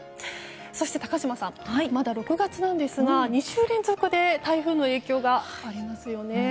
そして高島さんまだ６月なんですが２週連続で台風の影響がありますよね。